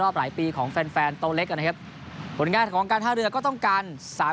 หลายปีของแฟนแฟนโตเล็กนะครับผลงานของการท่าเรือก็ต้องการสาม